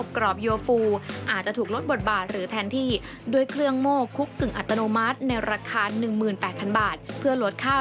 ก็จะใช้เครื่องจากเข้ามาแถนที่เร็วนี้